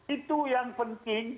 itu yang penting